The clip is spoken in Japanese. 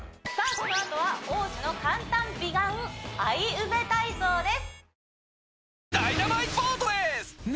このあとは王子の簡単美顔あいうべ体操です